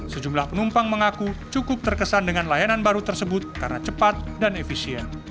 sejumlah penumpang mengaku cukup terkesan dengan layanan baru tersebut karena cepat dan efisien